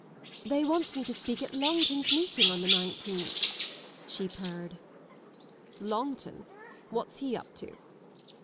" They want me to speak at Longton's meeting on the nineteenth," she purred. Longton? What's he up to?